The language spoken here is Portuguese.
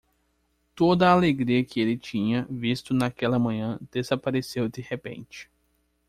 Toda a alegria que ele tinha visto naquela manhã desapareceu de repente.